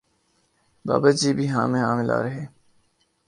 بابا جی بھی ہاں میں ہاں ملا رہے